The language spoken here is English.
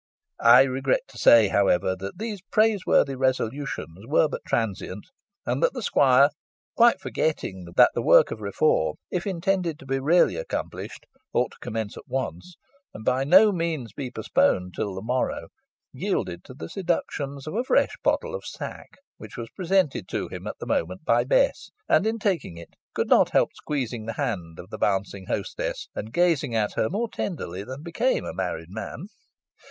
I regret, however, to say that these praiseworthy resolutions were but transient, and that the squire, quite forgetting that the work of reform, if intended to be really accomplished, ought to commence at once, and by no means be postponed till the morrow, yielded to the seductions of a fresh pottle of sack, which was presented to him at the moment by Bess, and in taking it could not help squeezing the hand of the bouncing hostess, and gazing at her more tenderly than became a married man.